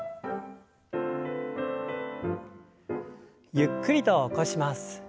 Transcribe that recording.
ゆっくりと起こします。